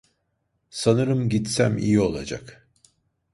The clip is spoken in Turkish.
Sanırım gitsem iyi olacak.